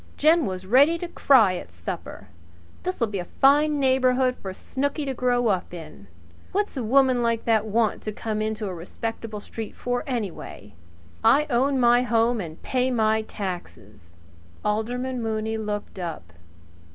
"Jen was ready to cry at supper. This'll be a fine neighbourhood for Snooky to grow up in! What's a woman like that want to come into a respectable street for anyway? I own my home and pay my taxes " Alderman Mooney looked up.